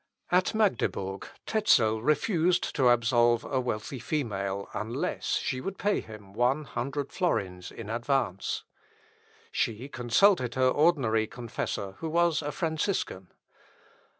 At Magdebourg Tezel refused to absolve a wealthy female, unless she would pay him one hundred florins in advance. She consulted her ordinary confessor, who was a Franciscan.